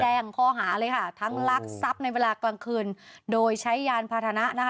แจ้งข้อหาเลยค่ะทั้งลักทรัพย์ในเวลากลางคืนโดยใช้ยานพาหนะนะคะ